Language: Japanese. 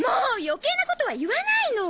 余計なことは言わないの。